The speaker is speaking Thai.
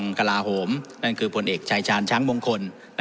กระทรวงกระลาโหมนั่นคือผลเอกชายชาญช้างมงคล